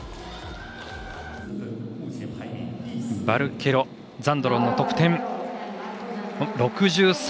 バルケロ、ザンドロンの得点。